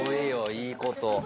いいこと。